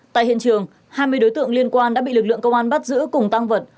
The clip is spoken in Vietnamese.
tại hiện trường hai mươi đối tượng liên quan đã bị lực lượng công an bắt giữ cùng tăng vật